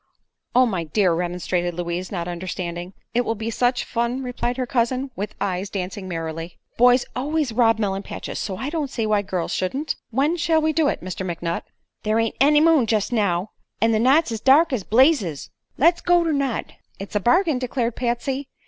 "Oh, my dear!" remonstrated Louise, not understanding. "It will be such fun," replied her cousin, with eyes dancing merrily. "Boys always rob melon patches, so I don't see why girls shouldn't. When shall we do it, Mr. McNutt?" "There ain't any moon jest now, an' the nights is dark as blazes. Let's go ternight." "It's a bargain," declared Patsy.